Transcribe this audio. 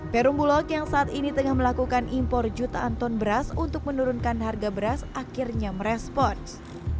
perum bulog yang saat ini tengah melakukan impor jutaan ton beras untuk menurunkan harga beras akhirnya merespons